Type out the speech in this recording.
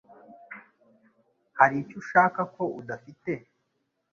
Hari icyo ushaka ko udafite?